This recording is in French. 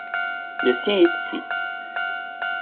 Le sien est ici.